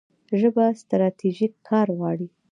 ژبه ستراتیژیک کار غواړي.